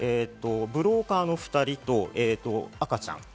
ブローカーの２人と赤ちゃん。